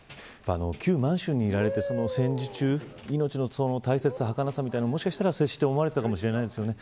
旧満州にいられて戦時中命の大切さ、はかなさをもしかしたら思われたかもしれませんよね。